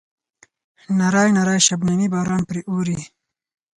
نری نری شبنمي باران پرې اوروي.